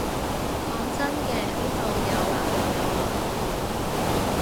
講真嘅，呢度有男又有女